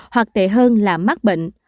hoặc tệ hơn là mắc bệnh